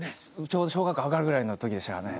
ちょうど小学校上がるぐらいの時でしたかね。